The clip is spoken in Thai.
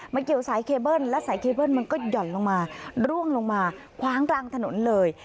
เกี่ยวสายเคเบิ้ลและสายเคเบิ้ลมันก็ห่อนลงมาร่วงลงมาคว้างกลางถนนเลย